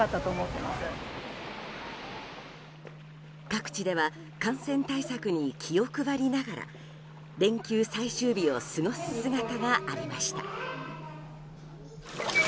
各地では感染対策に気を配りながら連休最終日を過ごす姿がありました。